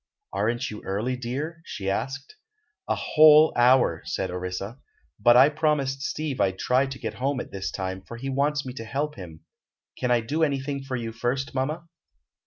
"Aren't you early, dear?" she asked. "A whole hour," said Orissa. "But I promised Steve I'd try to get home at this time, for he wants me to help him. Can I do anything for you first, mamma?"